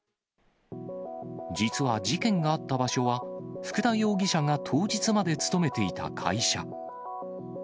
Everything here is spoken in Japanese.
実は事件があった場所は、福田容疑者が当日まで勤めていた会社。